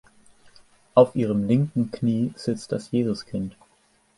Auf ihrem linken Knie sitzt das Jesuskind.